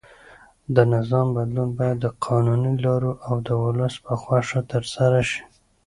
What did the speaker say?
د نظام بدلون باید د قانوني لارو او د ولس په خوښه ترسره شي.